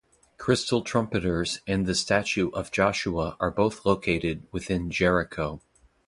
Crystal Trumpeters and the statue of Joshua are both located within Jericho.